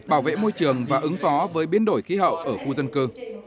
bảo vệ môi trường và ứng phó với biến đổi khí hậu ở khu dân cư